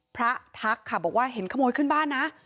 พระทักค่ะบอกว่าเห็นขโมยขึ้นบ้านนะ